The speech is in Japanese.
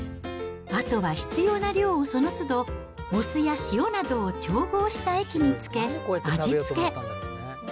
あとは必要な量をそのつど、お酢や塩などを調合した液に漬け、味付け。